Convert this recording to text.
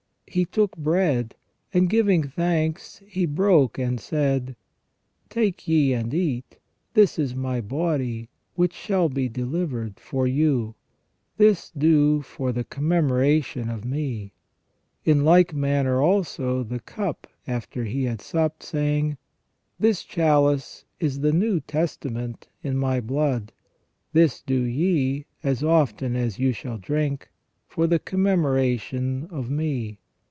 He took bread, and giving thanks, He broke, and said :" Take ye and eat ; this is My body which shall be delivered for you. This do for the com memoration of Me. In like manner also the cup after He had supped, saying : This chalice is the New Testament in My blood. This do ye, as often as you shall drink, for the com memoration of Me.